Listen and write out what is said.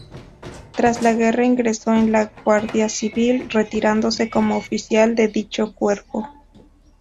Tras la guerra ingresó en la Guardia Civil, retirándose como oficial de dicho cuerpo.